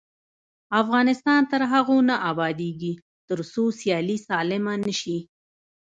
افغانستان تر هغو نه ابادیږي، ترڅو سیالي سالمه نشي.